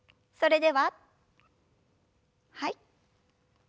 それでははい。